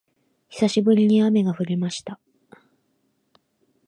久しぶりに雨が降りました